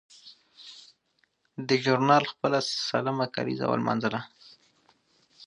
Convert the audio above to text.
دې ژورنال خپله سلمه کالیزه ولمانځله.